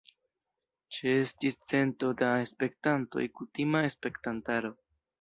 Ĉeestis cento da spektantoj kutima spektantaro.